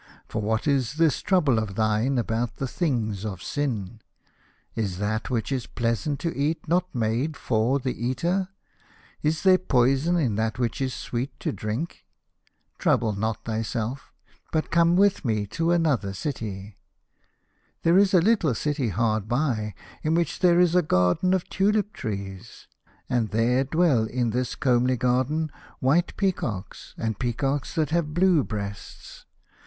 For what is this trouble of thine about the things of sin ? Is that which is pleasant to eat not made for the eater? Is there poison in that which is sweet to drink ? Trouble not thyself, but come with me to 1 17 A House of Pomegranates. another city. There is a little city hard by in which there is a garden of tulip trees. And there dwell in this comely garden white peacocks and peacocks that have blue breasts.